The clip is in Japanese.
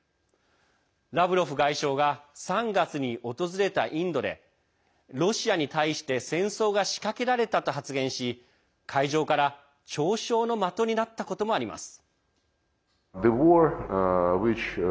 ラブロフ外相が３月に訪れたインドでロシアに対して戦争が仕掛けられたと発言し会場から嘲笑の的になったこともあります。